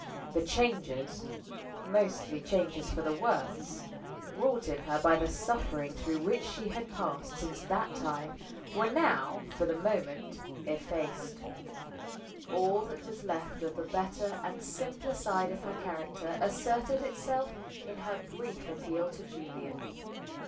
The changes mostly changes for the worse wrought in her by the suffering through which she had passed since that time were now (for the moment) effaced. All that was left of the better and simpler side of her character asserted itself in her brief appeal to Julian.